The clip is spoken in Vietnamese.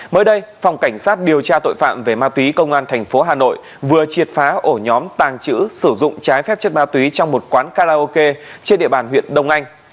mới đây phòng cảnh sát điều tra tội phạm về ma túy công an tp hà nội vừa triệt phá ổ nhóm tàng trữ sử dụng trái phép chất ma túy trong một quán karaoke trên địa bàn huyện đông anh